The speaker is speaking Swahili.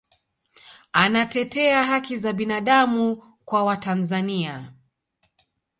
anatetea haki za binadamu kwa watanzania